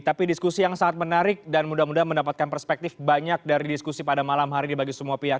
tapi diskusi yang sangat menarik dan mudah mudahan mendapatkan perspektif banyak dari diskusi pada malam hari ini bagi semua pihak